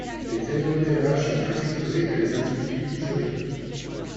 Les animaux d'élevage sont plus exposés que les individus isolés.